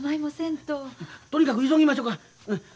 とにかく急ぎましょか。